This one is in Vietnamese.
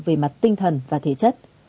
về mặt tinh thần và thể chất